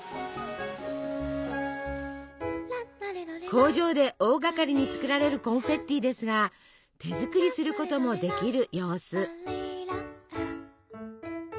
工場で大がかりに作られるコンフェッティですが手作りすることもできる様子。